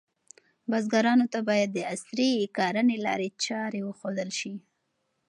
بزګرانو ته باید د عصري کرنې لارې چارې وښودل شي.